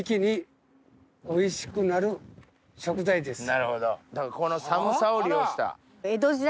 なるほどこの寒さを利用した。